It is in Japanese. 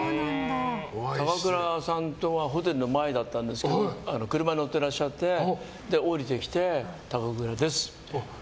高倉さんとはホテルの前だったんですけど車に乗っていらっしゃって降りてきて高倉ですって。